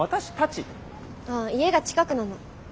あ家が近くなの。